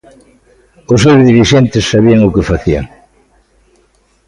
Os seus dirixentes sabían o que facían.